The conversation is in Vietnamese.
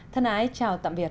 thân ái chào tạm biệt